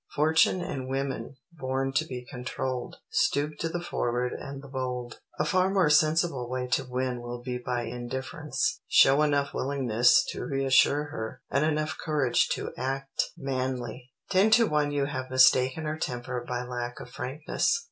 "Fortune and women, born to be controlled, stoop to the forward and the bold." A far more sensible way to win will be by indifference. Show enough willingness to reassure her, and enough courage to act manly. Ten to one you have mistaken her temper by lack of frankness.